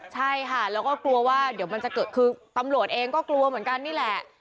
ใช่ค่ะแล้วก็กลัวว่าเดี๋ยวมันจะเกิดคือตำรวจเองก็กลัวเหมือนกันนี่แหละ